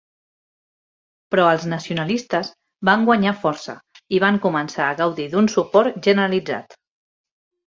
Però els nacionalistes van guanyar força i van començar a gaudir d'un suport generalitzat.